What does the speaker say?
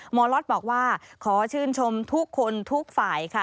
หมอล็อตบอกว่าขอชื่นชมทุกคนทุกฝ่ายค่ะ